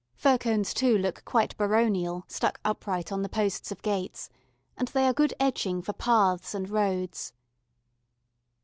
Fir cones, too, look quite baronial stuck upright on the posts of gates and they are good edging for paths and roads.